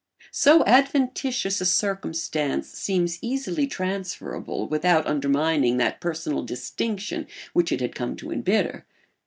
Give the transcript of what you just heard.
So adventitious a circumstance seems easily transferable without undermining that personal distinction which it had come to embitter.